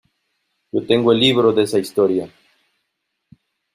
yo tengo el libro de esa Historia.